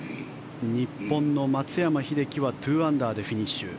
日本の松山英樹は２アンダーでフィニッシュ。